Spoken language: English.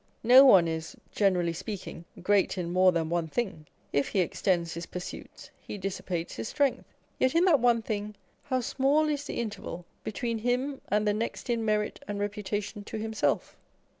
No one is (generally speaking) great in more than one thing â€" if he extends his pursuits, he dissipates his strength â€" yet in that one thing how small is the interval between him and the next in merit and reputation to himself!